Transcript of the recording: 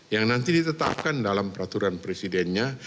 yang nanti ditetapkan dalam peraturan presidennya